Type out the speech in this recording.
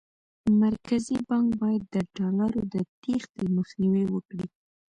مرکزي بانک باید د ډالرو د تېښتې مخنیوی وکړي.